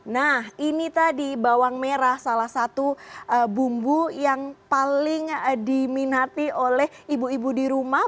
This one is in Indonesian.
nah ini tadi bawang merah salah satu bumbu yang paling diminati oleh ibu ibu di rumah